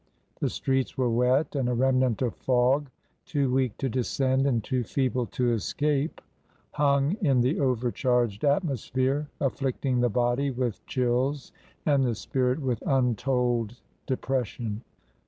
The streets were wet and a remnant of fog, too weak to descend and too feeble to escape, hung in the overcharged atmosphere, afflicting the body with chills and the spirit with untold depression.